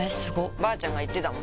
ばあちゃんが言ってたもん